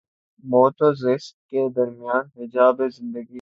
موت و زیست کے درمیاں حجاب زندگی